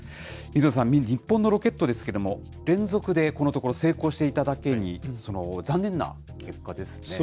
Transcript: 水野さん、日本のロケットですけれども、連続でこのところ、成功していただけに、残念な結果ですね。